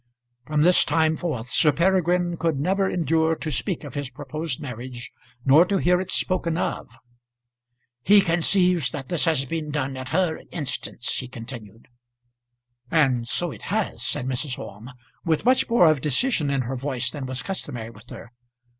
From this time forth Sir Peregrine could never endure to speak of his proposed marriage, nor to hear it spoken of. "He conceives that this has been done at her instance," he continued. "And so it has," said Mrs. Orme, with much more of decision in her voice than was customary with her.